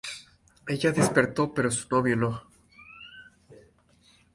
Ella despertó, pero su novio no.